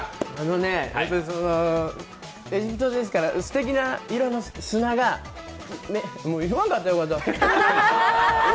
エジプトですからすてきな色の砂がもう言わんとよかった。